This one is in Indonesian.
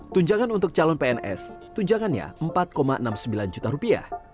tunjangan untuk calon pns tunjangannya empat enam puluh sembilan juta rupiah